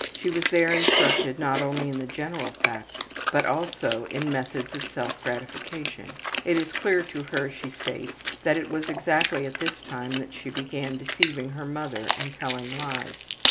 She was there instructed not only in the general facts, but also in methods of self gratification. It is clear to her, she states, that it was exactly at this time that she first began deceiving her mother and telling lies.